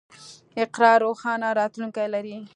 اقرا روښانه راتلونکی لري.